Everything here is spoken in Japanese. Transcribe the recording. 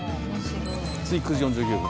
次９時４９分。